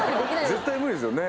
絶対無理ですよね